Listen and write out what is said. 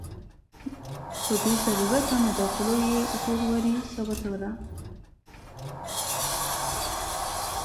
په بې ضرورته مداخلو یې زوروري ثابتوله.